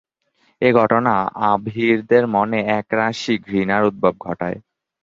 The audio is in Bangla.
এই ঘটনা আভীরদের মনে একরাশি ঘৃণার উদ্ভব ঘটায়।